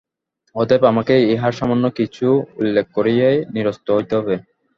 অতএব আমাকে ইহার সামান্য কিছু উল্লেখ করিয়াই নিরস্ত হইতে হইবে।